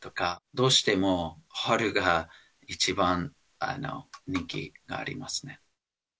どうしても春が一番人気ありますね。